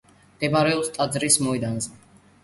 მდებარეობს ტაძრის მოედანზე.